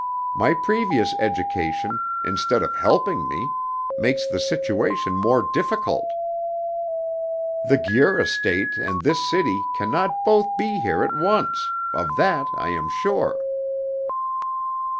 My previous education, instead of helping me, makes the situation more difficult. The Guir estate and this city can not both be here at once; of that I am sure."